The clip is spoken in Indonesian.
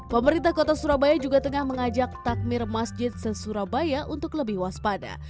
pemerintah kota surabaya juga tengah mengajak takmir masjid se surabaya untuk lebih waspada